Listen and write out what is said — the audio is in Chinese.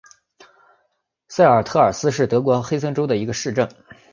塞尔特尔斯是德国黑森州的一个市镇。